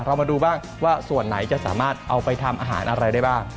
เรามาดูบ้างว่าส่วนไหนจะสามารถเอาไปทำอาหารอะไรได้บ้าง